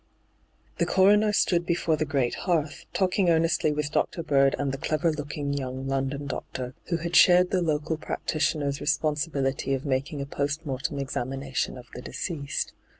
The coroner stood before the great hearth, talking earnestly with Dr. Bird and the clever looking young London doctor who had shared the local practitioner's responsibility of making a post mortem examination of the deceased.